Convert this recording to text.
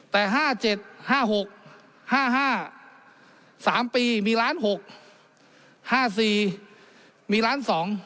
แต่ห้าเจ็ดห้าหกห้าห้าสามปีมีล้านหกห้าสี่มีล้านสอง